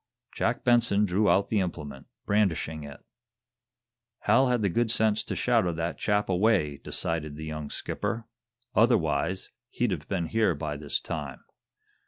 Jack Benson drew out the implement, brandishing it. "Hal had the good sense to shadow that chap away," decided the young skipper. "Otherwise, he'd have been here by this time.